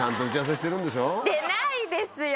してないですよ！